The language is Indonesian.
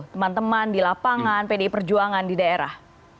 teman teman di lapangan pdi perjuangan di daerah